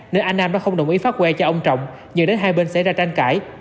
nên anh nam đã không đồng ý phát quẹ cho ông trọng dựa đến hai bên xảy ra tranh cãi